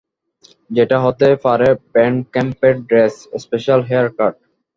যেটা হতে পারে ব্যান্ড ক্যাম্পের ড্রেস, স্পেশাল হেয়ারকাট।